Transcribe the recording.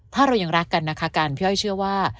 ถ้าเรายังรักกันนะคะกันพี่อ้อยเชื่อว่า